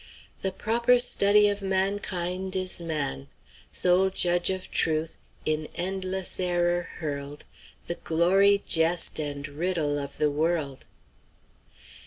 'The proper study of mankind is man. Sole judge of truth, in endless error hurled, The glory, jest, and riddle of the world.'"